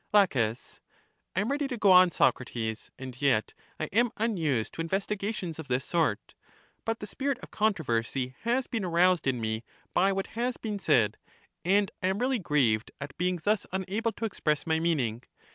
La, I am ready to go on, Socrates ; and yet I am unused to investigations of this sort. But the spirit of controversy has been aroused in me by what has been said; and I am really grieved at being thus unable to express my meaning.